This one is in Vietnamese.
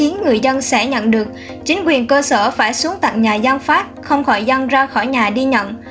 người dân sẽ nhận được chính quyền cơ sở phải xuống tận nhà dân pháp không khỏi dân ra khỏi nhà đi nhận